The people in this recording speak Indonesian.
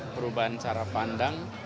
perubahan cara pandang